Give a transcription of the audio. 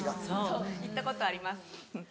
そう言ったことあります